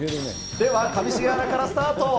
では上重アナからスタート。